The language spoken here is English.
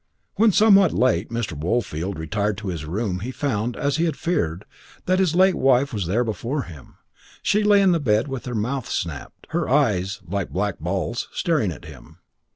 When somewhat late Mr. Woolfield retired to his room he found, as he had feared, that his late wife was there before him. She lay in the bed with her mouth snapped, her eyes like black balls, staring at him.